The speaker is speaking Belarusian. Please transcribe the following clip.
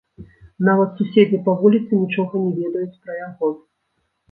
Нават суседзі па вуліцы нічога не ведаюць пра яго.